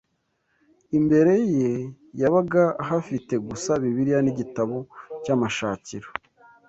Imbere ye yabaga ahafite gusa Bibiliya n’igitabo cy’amashakiro